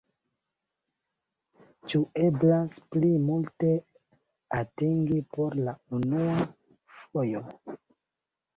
Ĉu eblas pli multe atingi por la unua fojo?